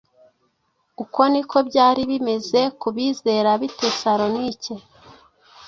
Uko ni ko byari bimeze ku bizera b’i Tesalonike.